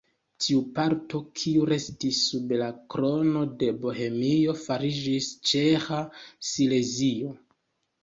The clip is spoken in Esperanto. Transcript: Tiu parto kiu restis sub la Krono de Bohemio fariĝis Ĉeĥa Silezio.